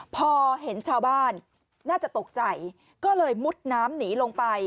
พอเห็นชาวบ้านน่าจะตกใจก็เลยมุดน้ำหนีลงไป